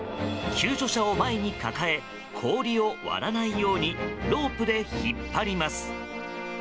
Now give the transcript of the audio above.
救助者を前に抱え氷を割らないようにロープで引っ張ります。